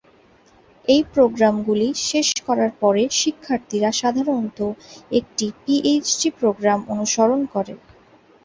এই প্রোগ্রামগুলি শেষ করার পরে, শিক্ষার্থীরা সাধারণত একটি পিএইচডি প্রোগ্রাম অনুসরণ করে।